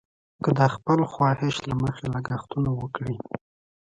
که د خپل خواهش له مخې لګښتونه وکړي.